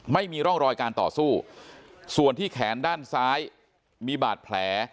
ไม่มีร่องรอยการต่อสู้ส่วนที่แขนด้านซ้ายมีบาดแผล